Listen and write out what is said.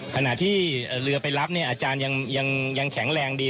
ขณะที่เรือไปรับเนี่ยอาจารย์ยังแข็งแรงดี